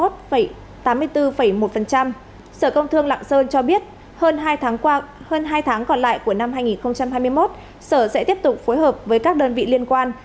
sở công thương lạng sơn cho biết hơn hai tháng còn lại của năm hai nghìn hai mươi một sở sẽ tiếp tục phối hợp với các đơn vị liên quan